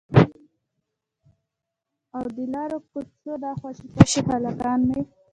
او د لارو کوڅو دا خوشي تشي هلکان مې